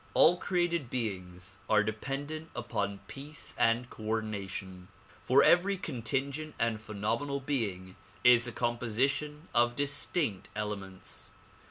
All created beings are dependent upon peace and coordination, for every contingent and phenomenal being is a composition of distinct elements.